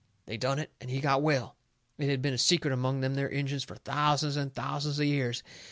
They done it. And he got well. It had been a secret among them there Injuns fur thousands and thousands of years.